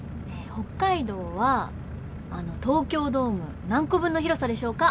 北海道はあの東京ドーム何個分の広さでしょうか？